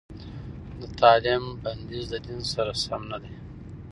د تعليم بندیز د دین سره سم نه دی.